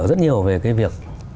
rất nhiều về cái việc